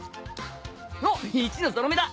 おっ１のぞろ目だ。